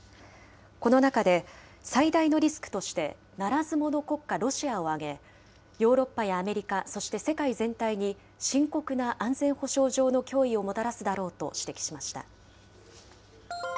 この中で最大のリスクとして、ならず者国家ロシアを挙げ、ヨーロッパやアメリカ、そして世界全体に深刻な安全保障上の脅威をもたらすだろうと指摘しました。